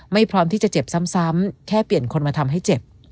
พร้อมที่จะเจ็บซ้ำแค่เปลี่ยนคนมาทำให้เจ็บ